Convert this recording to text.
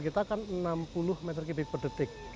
terowongan kita kan enam puluh meter kipik per detik